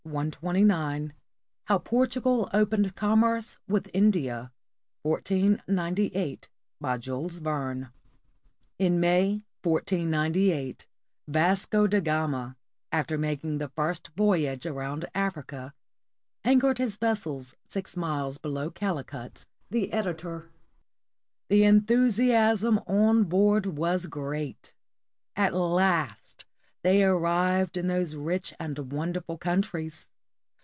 The Editor \ 1 HOW PORTUGAL OPENED COMMERCE WITH INDIA BY JULES VERNE [In May, 1498, Vasco da Gama, after making the first voyage around Africa, anchored his vessels six miles below Calicut. The Editor.] The enthusiasm on board was great. At last they arrived in those rich and wonderful countries.